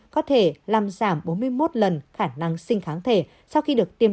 có thể làm giảm bốn mươi một lần khả năng sinh kháng thể sau khi được tiêm